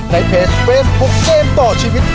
ในเพจเฟซบุ๊คเกมต่อชีวิต